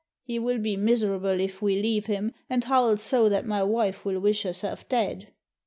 He will be mis erable if we leave him, and howl so that my wife will wish herself dead!"